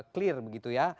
clear begitu ya